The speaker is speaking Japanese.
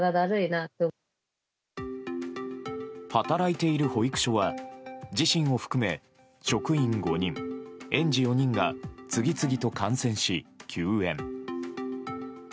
働いている保育所は自身を含め職員５人園児４人が次々と感染し、休園。